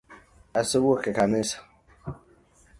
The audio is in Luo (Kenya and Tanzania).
Ase wuok e kanisa